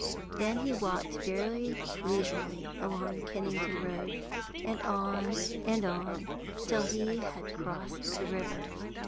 Then he walked very leisurely along Kennington Road, and on, and on, till he had crossed the river.